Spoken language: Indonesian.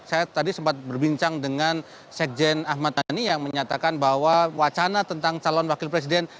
saya tadi sempat berbincang dengan sekjen ahmad dhani yang menyatakan bahwa wacana tentang calon wakil presiden